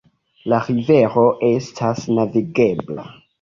La rivero estas navigebla.